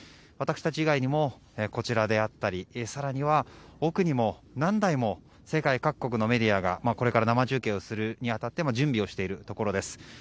私たち以外にもこちらであったり、更には奥にも何台も世界各国のメディアがこれから生中継をするに当たって準備をしているところです。